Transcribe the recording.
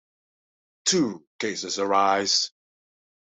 Two cases arise.